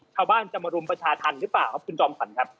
ชาวบ้านจะมารุมประชาธันตร์หรือเปล่าคุณจอมฝันครับ